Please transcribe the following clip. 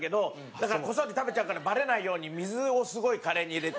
だからこそっと食べちゃうからバレないように水をすごいカレーに入れて。